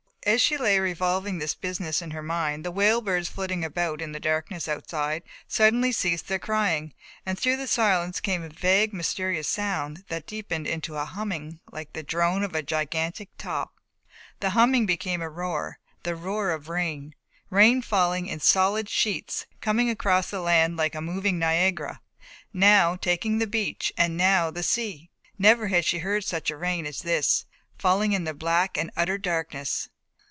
As she lay revolving this business in her mind the whale birds flitting about in the darkness outside suddenly ceased their crying and through the silence came a vague mysterious sound that deepened into a humming like the drone of a gigantic top; the humming became a roar, the roar of rain. Rain falling in solid sheets, coming across the land like a moving Niagara, now taking the beach and now the sea. Never had she heard such rain as this, falling in the black and utter darkness.